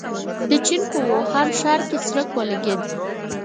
د چين په ووهان ښار کې څرک ولګېد.